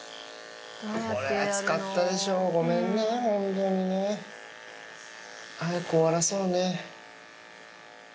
これ、暑かったでしょ、ごめんね、本当にね。早く終わらそうね。